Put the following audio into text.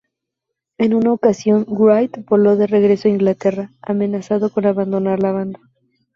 En una ocasión, Wright voló de regreso a Inglaterra amenazando con abandonar la banda.